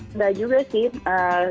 sudah juga sih